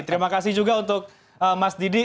terima kasih juga untuk mas didi